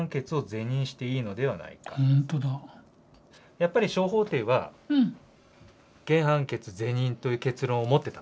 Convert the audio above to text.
やっぱり小法廷は原判決是認という結論を持ってた。